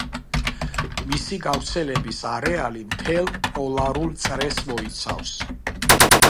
მისი გავრცელების არეალი მთელ პოლარულ წრეს მოიცავს.